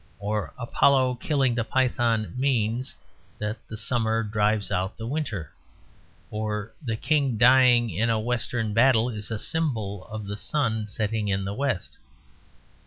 Or "Apollo killing the Python MEANS that the summer drives out the winter." Or "The King dying in a western battle is a SYMBOL of the sun setting in the west."